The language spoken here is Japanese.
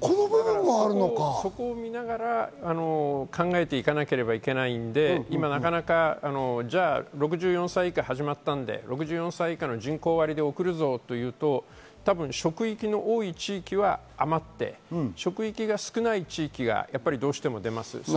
そこを見ながら考えていかなきゃいけないので今なかなか、６４歳以下が始まったので６４歳以下の人口割で送ると職域が多い地域は余って職域が少ない地域はどうしても出ます。